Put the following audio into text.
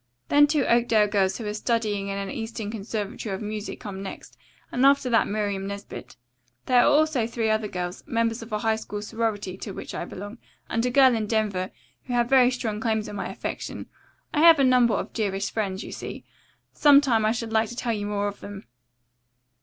"Then two Oakdale girls who are studying in an eastern conservatory of music come next, and after that Miriam Nesbit. There are also three other girls, members of a high school sorority to which I belong, and a girl in Denver, who have very strong claims on my affection. I have a number of dearest friends, you see. Some time I should like to tell you more of them."